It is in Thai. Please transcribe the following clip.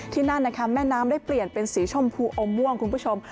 นั่นนะคะแม่น้ำได้เปลี่ยนเป็นสีชมพูอมม่วงคุณผู้ชม